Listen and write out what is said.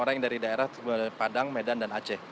orang yang dari daerah padang medan dan aceh